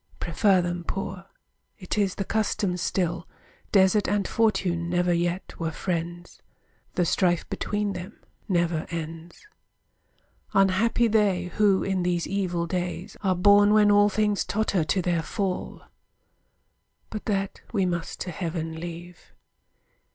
Prefer them poor. It is the custom still. Desert and fortune never yet were friends; The strife between them never ends. Unhappy they, who in these evil days Are born when all things totter to their fall! But that we must to heaven leave.